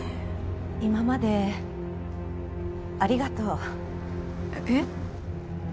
今までありがとう。えっ？